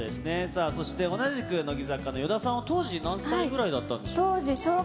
さあ、そして同じく乃木坂の与田さんは当時何歳ぐらいだったんでしょう。